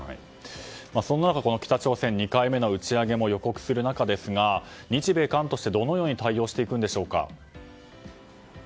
そんな中、北朝鮮が２回目の打ち上げも予告する中日米韓として、どのように対応していくんでしょうか。